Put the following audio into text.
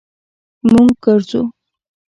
مونږ ګرځو